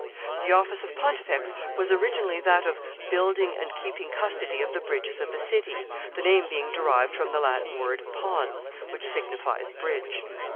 The office of the pontifex was originally that of building and keeping custody of the bridges of the city, the name being derived from the Latin word pons, which signifies bridge.